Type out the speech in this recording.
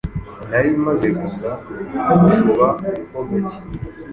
nari maze gusa nk’ucuba ho gake,